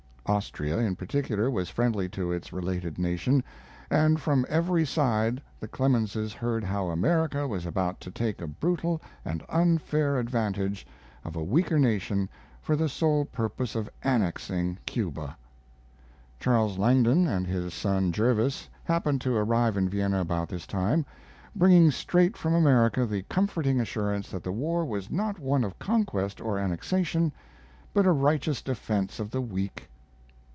Austria, in particular, was friendly to its related nation; and from every side the Clemenses heard how America was about to take a brutal and unfair advantage of a weaker nation for the sole purpose of annexing Cuba. Charles Langdon and his son Jervis happened to arrive in Vienna about this time, bringing straight from America the comforting assurance that the war was not one of conquest or annexation, but a righteous defense of the weak.